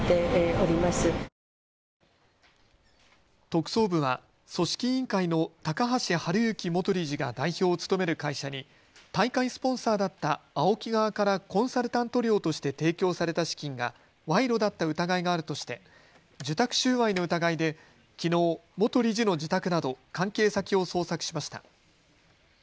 特捜部は組織委員会の高橋治之元理事が代表を務める会社に大会スポンサーだったＡＯＫＩ側からコンサルタント料として提供された資金が賄賂だった疑いがあるとして受託収賄の疑いできのう元理事の自宅など関係先を捜索しました。